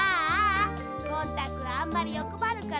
ゴン太くんあんまりよくばるからでしょう。